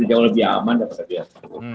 jadi jauh lebih aman daripada biasa